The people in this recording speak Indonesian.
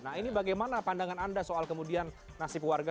nah ini bagaimana pandangan anda soal kemudian nasib warga